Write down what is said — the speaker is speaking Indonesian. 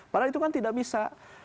padahal itu kan tidak bisa